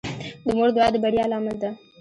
د مور دعا د بریا لامل ده.